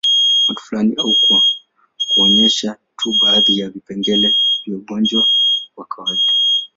Watu fulani au kuonyesha tu baadhi ya vipengele vya ugonjwa wa kawaida